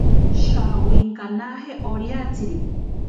Shawinkanaje oriatsiri.